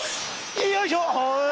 よいしょー！